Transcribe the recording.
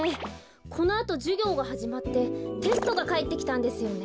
このあとじゅぎょうがはじまってテストがかえってきたんですよね。